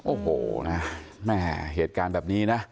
โอ้โหนะแม่เหตุการณ์แบบนี้นะ